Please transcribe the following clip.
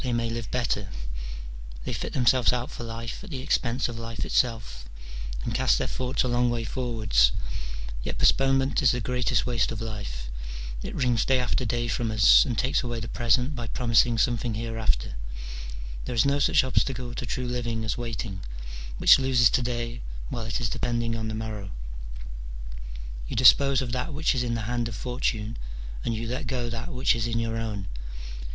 301 they may live better ; they fit themselves out for life at the expense of life itself, and cast their thoughts a long way forwards : yet postponement is the greatest waste of life : it wrings day after day from us, and takes away the present by promising something hereafter : there is no such obstacle to true living as waiting, which loses to day while it is depending on the morrow. You dispose of that which is in the hand of Fortune, and you let go that which is in your own.